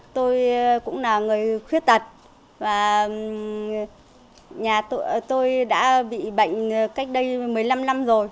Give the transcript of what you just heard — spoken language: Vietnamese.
tôi cũng là người khuyết tật và nhà tôi đã bị bệnh cách đây một mươi năm năm rồi